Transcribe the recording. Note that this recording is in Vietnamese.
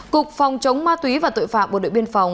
cục phòng chống ma túy và tội phạm bộ đội biên phòng